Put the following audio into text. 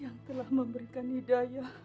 yang telah memberikan hidayah